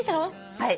はい。